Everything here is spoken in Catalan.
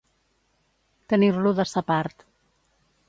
Tenir-lo de sa part.